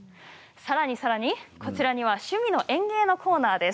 さらにさらに、こちらには「趣味の園芸」のコーナーです。